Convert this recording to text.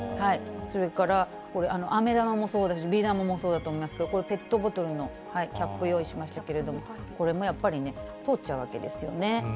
それからこれ、あめ玉もそうだし、ビー玉もそうだと思いますけれども、これ、ペットボトルのキャップ、用意しましたけれども、これもやっぱりね、通っちゃうわけですよね。